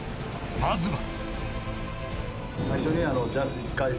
まずは。